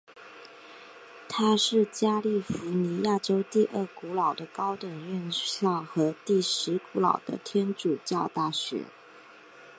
它也是加利福尼亚州第二古老的高等院校和第十古老的天主教大学。